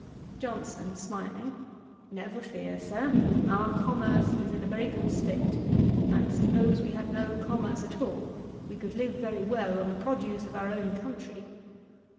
JOHNSON (smiling). 'Never fear, Sir. Our commerce is in a very good state; and suppose we had no commerce at all, we could live very well on the produce of our own country.'